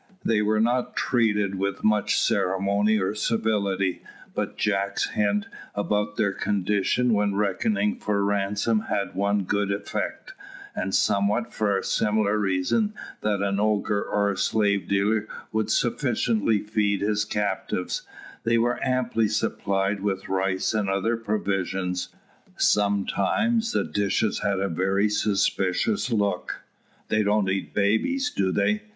They were not treated with much ceremony or civility, but Jack's hint about their condition when reckoning for ransom had one good effect; and somewhat for a similar reason that an ogre or a slave dealer would sufficiently feed his captives, they were amply supplied with rice and other provisions. Sometimes the dishes had a very suspicious look. "They don't eat babies, do they?"